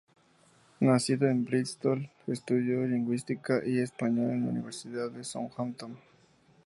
Nacido en Bristol, estudió lingüística y español en la Universidad de Southampton.